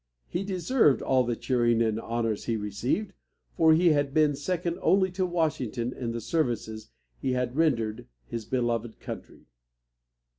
He deserved all the cheering and honors he received, for he had been second only to Washington in the services he had rendered his beloved country.